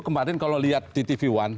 kemarin kalau lihat di tv one